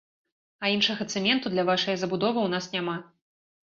А іншага цэменту для вашае забудовы ў нас няма.